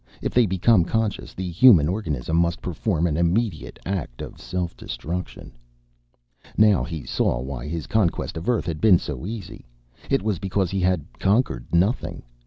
If they become conscious the human organism must perform an immediate act of self destruction._ Now he saw why his conquest of Earth had been so easy; it was because he had conquered nothing.